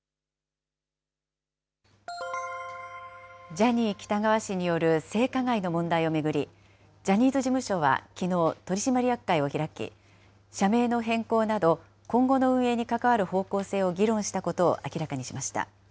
ジャニー喜多川氏による性加害の問題を巡り、ジャニーズ事務所はきのう、取締役会を開き、社名の変更など、今後の運営に関わる方向性を議論したことを明らかにしました。